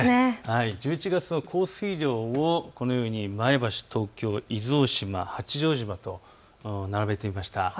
１１月の降水量をこのように前橋と伊豆大島、八丈島と並べてみました。